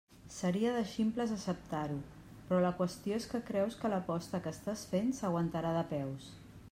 Seria de ximples acceptar-ho, però la qüestió és que creus que l'aposta que estàs fent s'aguantarà de peus.